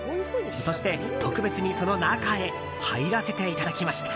そして、特別にその中へ入らせていただきました。